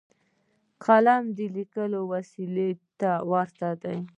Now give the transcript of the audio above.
قلم د لیکوال وسلې ته ورته دی.